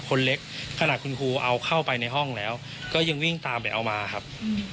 คนเล็กขนาดคุณครูเอาเข้าไปในห้องแล้วก็ยังวิ่งตามไปเอามาครับ